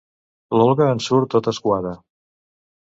L'Olga en surt tota escuada.